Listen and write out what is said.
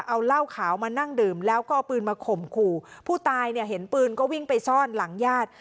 เอาเหล้าขาวมานั่งดื่มแล้วก็เอาปืนมาข่มขู่ผู้ตายเนี่ยเห็นปืนก็วิ่งไปซ่อนหลังญาติ